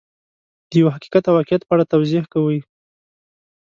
د یو حقیقت او واقعیت په اړه توضیح کوي.